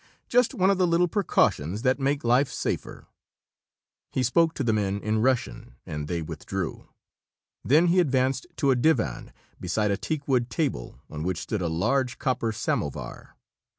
Just one of the little precautions that make life safer." He spoke to the men in Russian and they withdrew. Then he advanced to a divan beside a teakwood table on which stood a large copper samovar.